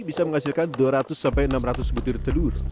bisa menghasilkan dua ratus sampai enam ratus butir telur